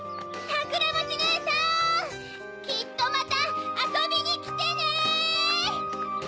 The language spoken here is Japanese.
きっとまたあそびにきてね！